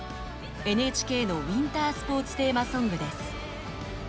ＮＨＫのウィンタースポーツテーマソングです。